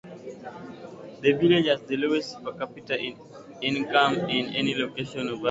The village has the lowest per capita income of any location in Ohio.